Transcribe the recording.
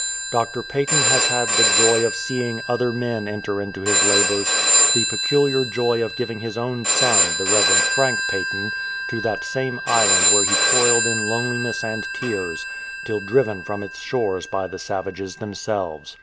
Dr. Paton has had the joy of seeing other men enter into his labours, the peculiar joy of giving his own son, the Rev. Frank Paton, to that same island where he toiled in loneliness and tears till driven from its shores by the savages themselves.